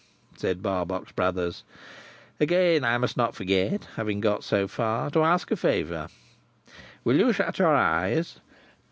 said Barbox Brothers. "Again I must not forget (having got so far) to ask a favour. Will you shut your eyes?"